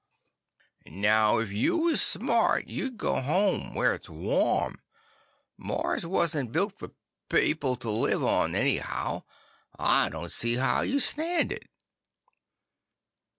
Brrr! "Now if you was smart, you'd go home, where it's warm. Mars wasn't built for people to live on, anyhow. I don't see how you stand it."